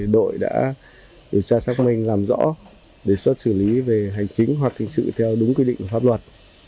đội đã xác minh làm rõ đề xuất xử lý về hành chính hoặc hình sự theo đúng quy định pháp luật